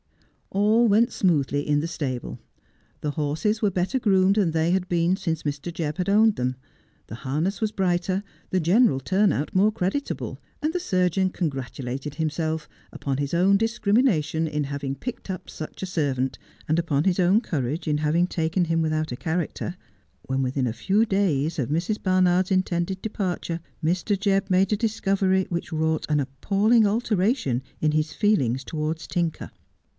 All went smoothly in the stable. The horses were better groomed than they had been since Mr. Jebb had owned them ; the harness was brighter, the general turn out more creditable ; and the surgeon congratulated himself upon his own discrimination in having picked up such a servant, and upon his own courage in having taken him without a character, when within a few days of Mrs. Barnard's intended departure Mr. Jebb made a discovery which wrought an a]:>palling alteration in his feelings towards Tinker.